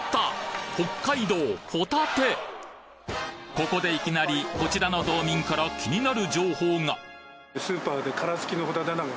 ここでいきなりこちらの道民から生きてる！？